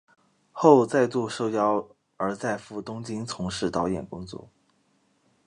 后再度受邀而再赴东京从事导演工作。